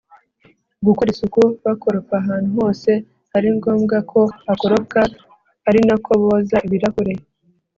gukora isuku, bakoropa ahantu hose hari ngombwa ko hakoropwa ari nako boza ibirahure